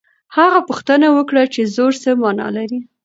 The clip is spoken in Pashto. هغه پوښتنه وکړه چې زور څه مانا لري.